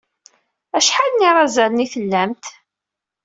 Acḥal n yirazalen ay tlamt?